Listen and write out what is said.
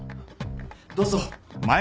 どうぞ。